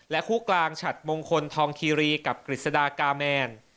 คู่กลางฉัดมงคลทองคีรีกับกฤษฎากาแมน